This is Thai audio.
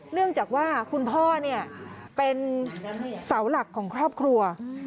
เนื่องจากว่าคุณพ่อเนี่ยเป็นเสาหลักของครอบครัว